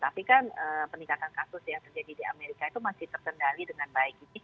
tapi kan peningkatan kasus yang terjadi di amerika itu masih terkendali dengan baik